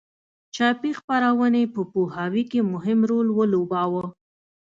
چاپي خپرونې په پوهاوي کې مهم رول ولوباوه.